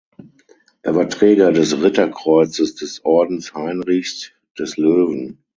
Er war Träger des Ritterkreuzes des Ordens Heinrichs des Löwen.